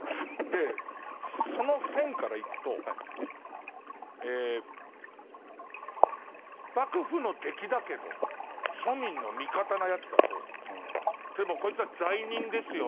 でその線からいくとえ幕府の敵だけど庶民の味方なやつだと。でもこいつは罪人ですよ。